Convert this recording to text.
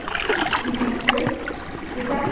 The Cat bird. The Cat nip.